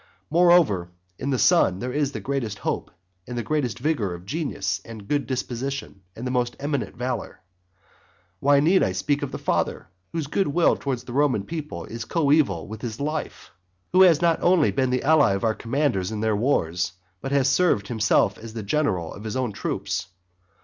Moreover, in the son there is the greatest hope, the greatest vigour of genius and a good disposition, and the most eminent valour. Why need I speak of the father, whose good will towards the Roman people is coeval with his life; who has not only been the ally of our commanders in their wars, but has also served himself as the general of his own troops.